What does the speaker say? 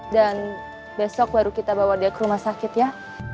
dan besok baru kita bawa dia ke rumah sakit ya